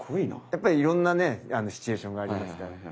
やっぱりいろんなねシチュエーションがありますからね。